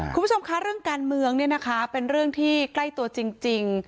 คุณผู้ชมคะเรื่องการเมืองเนี่ยนะคะเป็นเรื่องที่ใกล้ตัวจริง